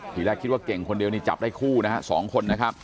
ทีแรกคิดว่าเก่งคนเดียวนี่จับได้คู่นะฮะ๒คนนะครับ